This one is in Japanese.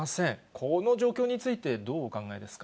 この状況について、どうお考えですか。